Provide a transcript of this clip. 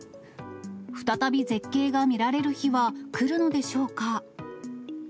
再び絶景が見られる日は来るのでしょうか。